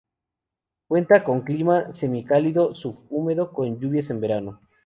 Cuenta con: clima semicálido, subhúmedo con lluvias en verano.